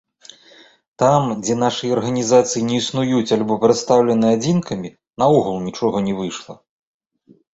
Там, дзе нашы арганізацыі не існуюць альбо прадстаўлены адзінкамі, наогул нічога не выйшла.